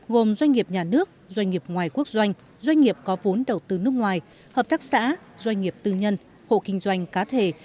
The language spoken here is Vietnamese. gồm doanh nghiệp nhà nước doanh nghiệp ngoài quốc doanh doanh nghiệp có vốn đầu tư nước ngoài hợp tác xã doanh nghiệp tư nhân hộ kinh doanh cá thể